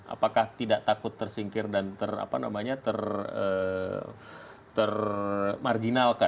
apakah tidak takut tersingkir dan ter apa namanya termarjinalkan